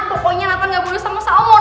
pokoknya natan gak peduli sama salmon